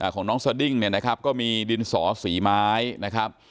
ของน้องสดิ้งเนี่ยนะครับก็มีดินสอสีไม้นะครับ